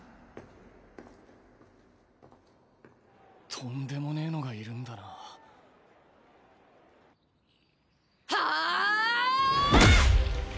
とんでもねえのがいるんだなはああっ！